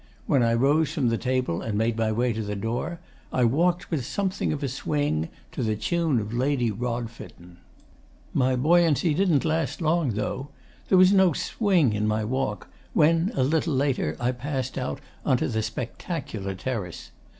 When I rose from the table and made my way to the door, I walked with something of a swing to the tune of Lady Rodfitten. 'My buoyancy didn't last long, though. There was no swing in my walk when, a little later, I passed out on to the spectacular terrace.